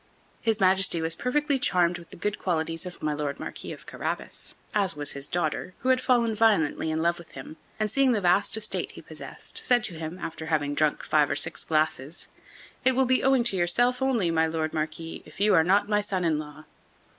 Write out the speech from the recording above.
His Majesty was perfectly charmed with the good qualities of my Lord Marquis of Carabas, as was his daughter, who had fallen violently in love with him, and, seeing the vast estate he possessed, said to him, after having drunk five or six glasses: "It will be owing to yourself only, my Lord Marquis, if you are not my son in law."